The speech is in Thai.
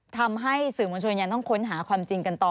ทำให้สื่อมวลชนยังต้องค้นหาความจริงกันต่อ